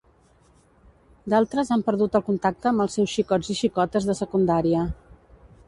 D'altres han perdut el contacte amb els seus xicots i xicotes de secundària.